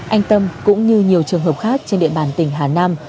anh tâm cũng như nhiều trường hợp khác trên địa bàn tỉnh hà nam